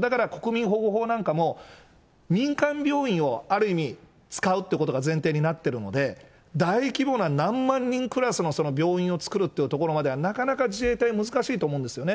だから国民保護法なんかも、民間病院を、ある意味、使うということが前提になってるので、大規模な何万人クラスの病院を作るというところまでは、なかなか自衛隊、難しいと思うんですよね。